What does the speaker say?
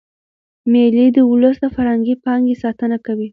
مېلې د اولس د فرهنګي پانګي ساتنه کوي.